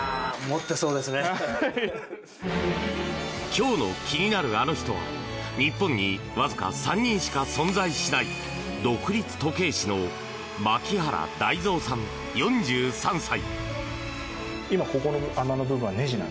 今日の気になるアノ人は日本にわずか３人しか存在しない独立時計師の牧原大造さん、４３歳。